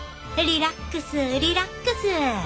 リラックスリラックス。